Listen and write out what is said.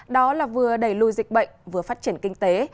đó là vừa đẩy lùi dịch bệnh vừa phát triển kinh tế